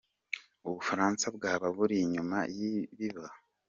U Bufaransa bwaba buri inyuma y’ibiba.